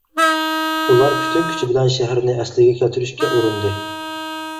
ئۇلار پۈتۈن كۈچى بىلەن شەھەرنى ئەسلىگە كەلتۈرۈشكە ئۇرۇندى.